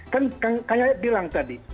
kan kayak kak yayat bilang tadi